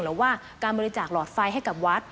หรือว่าการบริจาคหลอดไฟให้กับวัด